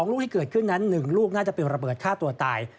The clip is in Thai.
ลูกที่เกิดขึ้นนั้น๑ลูกน่าจะเป็นระเบิดฆ่าตัวตาย